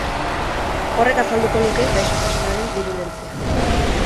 Horrek azalduko luke gaixotasunaren birulentzia.